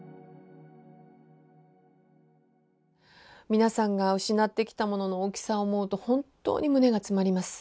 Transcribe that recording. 皆さんが失ってきたものの大きさを思うと本当に胸が詰まります。